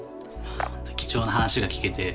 ほんと貴重な話が聞けて。